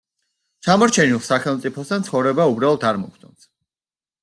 ჩამორჩენილ სახელმწიფოსთან ცხოვრება უბრალოდ არ მოგვწონს.